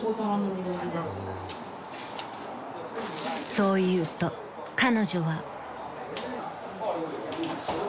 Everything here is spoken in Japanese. ［そう言うと彼女は］